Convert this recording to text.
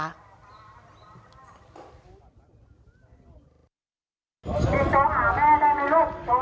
พระหญิงได้ยินเสียงแม่ไหมห์ตอบเผาถนเหาะหาแม่ด้วย